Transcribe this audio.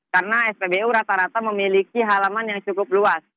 karena spbu rata rata memiliki halaman yang cukup luas